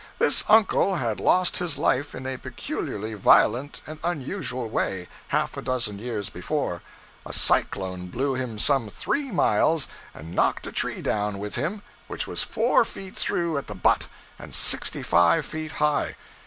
This uncle had lost his life in a peculiarly violent and unusual way, half a dozen years before: a cyclone blew him some three miles and knocked a tree down with him which was four feet through at the butt and sixty five feet high.